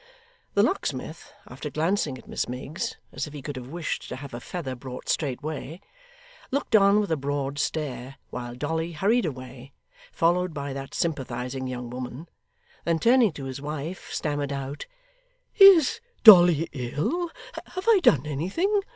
The locksmith, after glancing at Miss Miggs as if he could have wished to have a feather brought straightway, looked on with a broad stare while Dolly hurried away, followed by that sympathising young woman: then turning to his wife, stammered out, 'Is Dolly ill? Have I done anything?